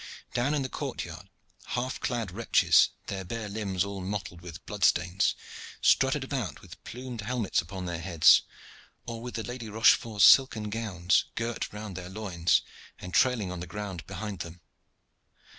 Down in the courtyard half clad wretches, their bare limbs all mottled with blood stains, strutted about with plumed helmets upon their heads, or with the Lady Rochefort's silken gowns girt round their loins and trailing on the ground behind them.